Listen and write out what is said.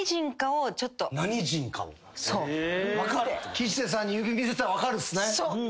吉瀬さんに指見せたら分かるんすね？